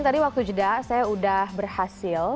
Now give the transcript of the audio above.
tadi waktu jeda saya sudah berhasil